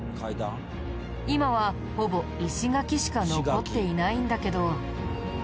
今はほぼ石垣しか残っていないんだけど。